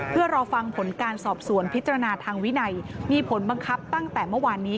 เพื่อรอฟังผลการสอบสวนพิจารณาทางวินัยมีผลบังคับตั้งแต่เมื่อวานนี้